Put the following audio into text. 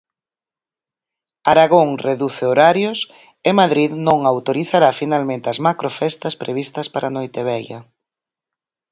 Aragón reduce horarios, e Madrid non autorizará finalmente as macrofestas previstas para Noitevella.